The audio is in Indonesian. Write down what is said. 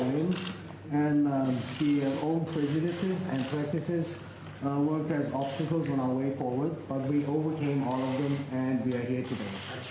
ya ini tidak mudah untuk mati di sini